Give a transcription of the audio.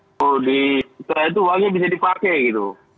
setelah itu uangnya bisa dipakai gitu